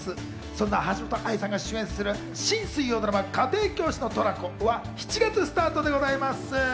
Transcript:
そんな橋本愛さんが主演する新水曜ドラマ『家庭教師のトラコ』は７月スタートでございます。